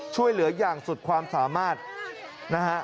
ช่วยเหลืออย่างสุดความสามารถนะฮะ